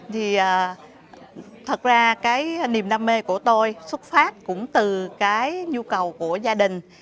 thì thật ra cái niềm đam mê của tôi xuất phát cũng từ cái nhu cầu của gia đình